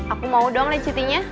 aku mau dong lecitinya